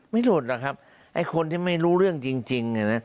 ไม่หลุดหรอกครับไอ้คนที่ไม่รู้เรื่องจริง